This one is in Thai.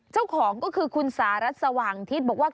เจ้าของก็คือคุณสารัสสว่างทิศบอกว่า